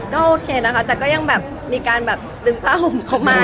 ก็โอเคนะคะแต่ก็ยังแบบมีการแบบดึงผ้าห่มเขามา